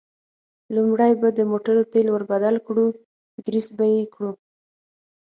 لومړی به د موټرو تېل ور بدل کړو، ګرېس به یې کړو.